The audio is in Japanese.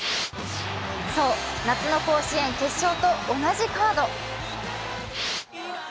そう、夏の甲子園決勝と同じカード。